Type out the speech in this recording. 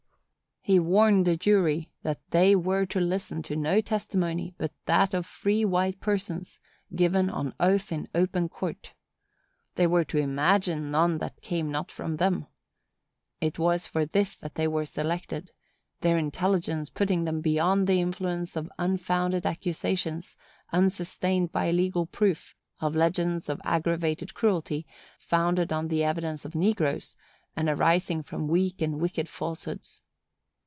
He warned the jury that they were to listen to no testimony but that of free white persons, given on oath in open court. They were to imagine none that came not from them. It was for this that they were selected,—their intelligence putting them beyond the influence of unfounded accusations, unsustained by legal proof; of legends of aggravated cruelty, founded on the evidence of negroes, and arising from weak and wicked falsehoods.